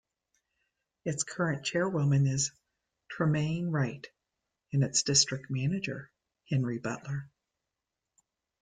Its current chairwoman is Tremaine Wright, and its district manager Henry Butler.